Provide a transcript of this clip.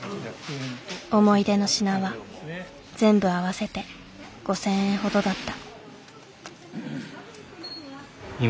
思い出の品は全部合わせて５，０００円ほどだった。